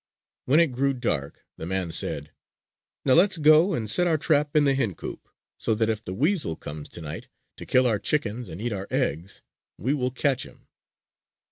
When it grew dark, the man said: "Now let's go and set our trap in the hen coop, so that if the weasel comes to night to kill our chickens and eat our eggs, we will catch him."